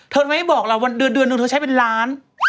เธอทำไมไม่บอกวันเดือนนึงเธอใช้เป็นล้าน